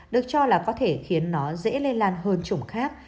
được cho là có thể khiến nó dễ lây lan hơn chủng khác